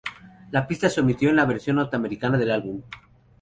La pista se omitió en la versión norteamericana del álbum.